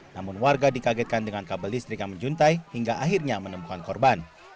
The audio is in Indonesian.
namun warga dikagetkan dengan kabel listrik yang menjuntai hingga akhirnya menemukan korban